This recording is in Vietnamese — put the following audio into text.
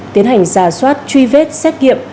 tiến hành rà soát truy vết xét nghiệm